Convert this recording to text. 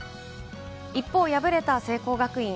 一方敗れた聖光学院。